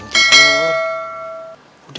bapak tau mama belum tidur